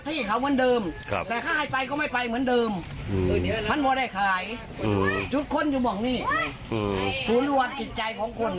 แต่ไม่มีใครออกมาเจรจากับผู้หนูก็จะหาพี่ให้